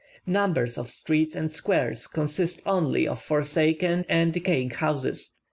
Numbers of streets and squares consist only of forsaken and decaying houses.